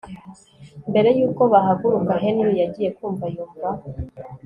mbere yuko bahaguruka Henry yagiye kumva yumva